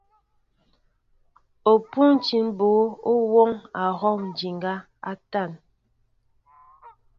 O pûntil mbǒ ó wɔɔŋ a hɔw ndiŋgá a tȃn.